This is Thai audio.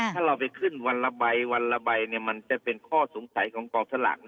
ถ้าเราไปขึ้นวันละใบวันละใบมันจะเป็นข้อสงสัยของกองสลาก